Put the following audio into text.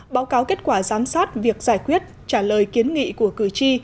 báo cáo kết quả giám sát việc giải quyết trả lời kiến nghị của cử tri